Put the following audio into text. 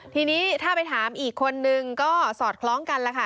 ทีนี้ถ้าไปถามอีกคนนึงก็สอดคล้องกันแล้วค่ะ